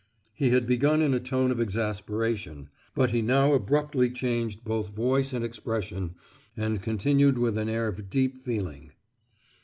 He had begun in a tone of exasperation, but he now abruptly changed both voice and expression, and continued with an air of deep feeling.